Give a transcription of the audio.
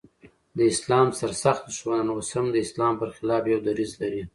د اسلام سر سخته دښمنان اوس هم د اسلام پر خلاف يو دريځ لري.